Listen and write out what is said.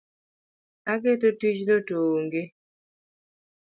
Ageto tijno to oonge.